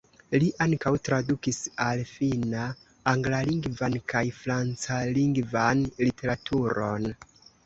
Li ankaŭ tradukis al finna anglalingvan kaj francalingvan literaturon.